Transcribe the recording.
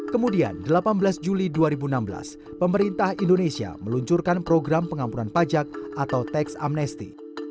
kemudian delapan belas juli dua ribu enam belas pemerintah indonesia meluncurkan program pengampunan pajak atau tax amnesti